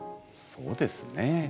そうですね。